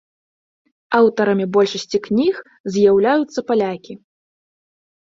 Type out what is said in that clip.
Аўтарамі большасці кніг з'яўляюцца палякі.